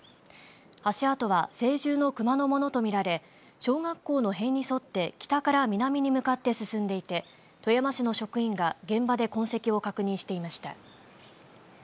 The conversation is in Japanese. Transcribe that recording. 足跡は成獣のクマのものと見られ小学校の塀に沿って北から南に向かって進んでいて富山市の職員が現場で痕跡を確認していました。